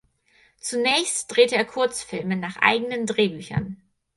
Zunächst drehte er Kurzfilme nach eigenen Drehbüchern.